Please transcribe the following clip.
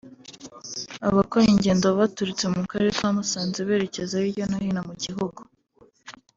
Abakora ingendo baturutse mu karere ka Musanze berekeza hirya no hino mu gihugu